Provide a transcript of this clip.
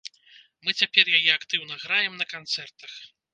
Мы цяпер яе актыўна граем на канцэртах.